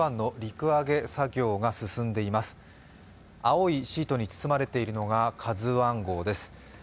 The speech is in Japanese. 青いシートに包まれているのが「ＫＡＺＵⅠ」号です。